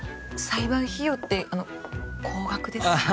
裁判費用ってあの高額ですよね